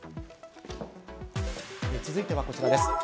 続いてはこちらです。